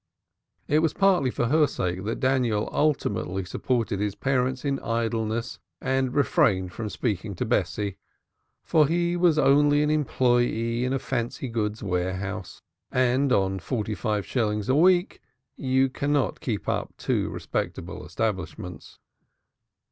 It was partly for her sake that Daniel ultimately supported his parents in idleness and refrained from speaking to Bessie. For he was only an employé in a fancy goods warehouse, and on forty five shillings a week you cannot keep up two respectable establishments.